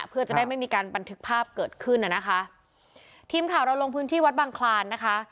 เพื่อจะได้ไม่มีการบันทึกภาพเกิดขึ้นน่ะนะคะทีมข่าวเราลงพื้นที่วัดบังคลานนะคะ